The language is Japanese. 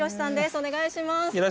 お願いします。